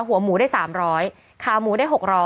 หัวหมูได้๓๐๐ขาหมูได้๖๐๐